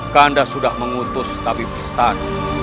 kanda sudah mengutus tabibistan